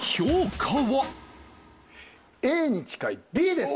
Ａに近いＢです。